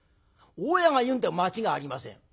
大家が言うんで間違いありません」。